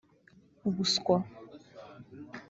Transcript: Ubuswa